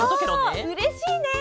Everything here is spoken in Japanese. そううれしいね！